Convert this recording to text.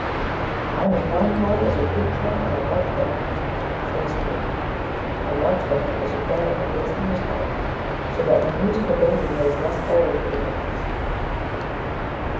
"I am as melancholy as a gib cat or a lugged bear."[B] SHAKESPEARE. [B] A lugged bear is a bear with its ears cut off, so that when used for baiting there is less hold for the dogs.